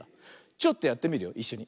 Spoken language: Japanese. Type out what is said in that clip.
ちょっとやってみるよいっしょに。